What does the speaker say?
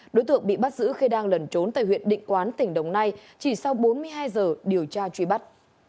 đối tượng bị bắt giữ khi đang lẩn trốn tại huyện định quán tỉnh đồng nai chỉ sau bốn mươi hai giờ điều tra truy bắt